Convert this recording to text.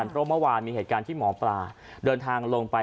เพราะเมื่อวานมีเหตุการณ์ที่หมอปลาเดินทางลงไป